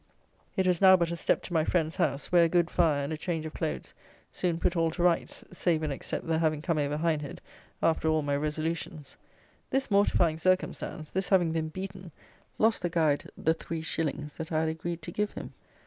It was now but a step to my friend's house, where a good fire and a change of clothes soon put all to rights, save and except the having come over Hindhead after all my resolutions. This mortifying circumstance; this having been beaten, lost the guide the three shillings that I had agreed to give him.